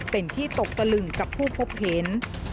เป็นที่ตกตะลึงกับผู้พบเห็น